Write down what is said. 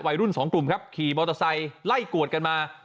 รุ่นสองกลุ่มครับขี่มอเตอร์ไซค์ไล่กวดกันมา